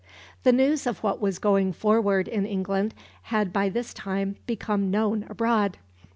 The news of what was going forward in England had by this time become known abroad.